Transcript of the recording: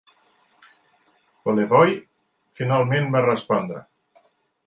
Polevoy finalment va respondre.